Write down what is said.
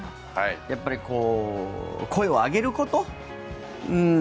やっぱり声を上げること。